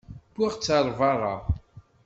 Wwiɣ-t ɣer berra.